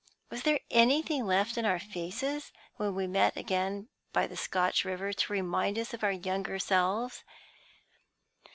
Was there anything left in our faces, when we met again by the Scotch river, to remind us of our younger selves?